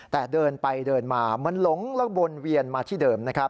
แต่เดินไปเดินมามันหลงและบนเวียนมาที่เดิม